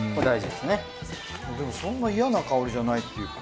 でもそんな嫌な香りじゃないっていうか。